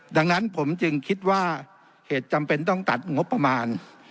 ดังนั้นผมจึงคิดว่าเหตุจำเป็นต้องตัดงบประมาณ